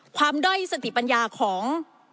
ความด้อยสถิปัญญาของ